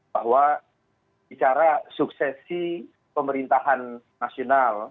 bahwa bicara suksesi pemerintahan nasional